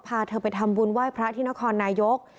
พาเธอไปทำบุญไหว้พระที่นครนายก